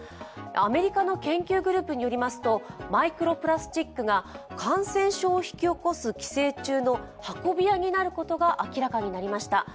アメリカの研究グループによりますと、マイクロプラスチックが感染症を引き起こす寄生虫の運び屋になることが明らかになりました。